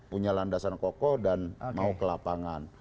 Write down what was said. punya landasan kokoh dan mau ke lapangan